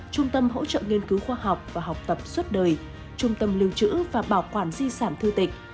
trung tâm hỗ trợ nghiên cứu khoa học và học tập suốt đời trung tâm lưu trữ và bảo quản di sản thư tịch